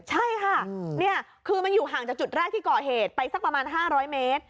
ใช่ค่ะนี่คือมันอยู่ห่างจากจุดแรกที่ก่อเหตุไปสักประมาณ๕๐๐เมตร